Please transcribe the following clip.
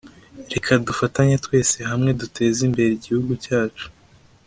Reka dufatenye twese hamwe duteze imbere igihugu cyacu